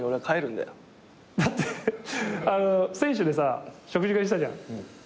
だって選手で食事会したじゃん？